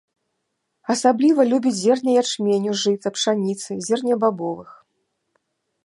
Асабліва любіць зерне ячменю, жыта, пшаніцы, зернебабовых.